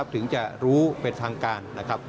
ถึงจะรู้เป็นทางการ